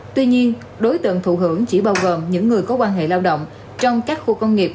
tuy nhiên đối tượng thụ hưởng chỉ bao gồm những người có quan hệ lao động trong các khu công nghiệp